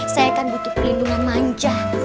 saya akan butuh pelindungan manja